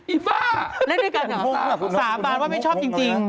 ฝ้าเล่นด้วยกันเหรอสาบานว่าไม่ชอบจริง